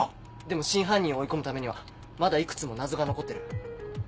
でも真犯人を追い込むためにはまだいくつも謎が残ってる。